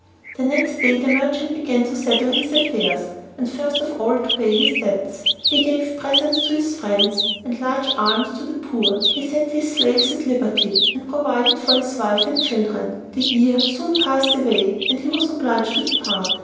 The next day the merchant began to settle his affairs, and first of all to pay his debts. He gave presents to his friends, and large alms to the poor. He set his slaves at liberty, and provided for his wife and children. The year soon passed away, and he was obliged to depart.